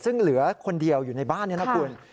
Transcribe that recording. ซึ่งเหลือคนเดียวอยู่ในบ้านนี้นะคุณ